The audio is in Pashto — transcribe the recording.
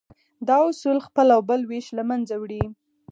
دا اصول خپل او بل وېش له منځه وړي.